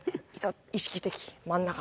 意識的真ん中